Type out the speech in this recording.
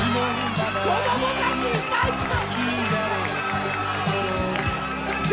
子供たちいっぱい来た！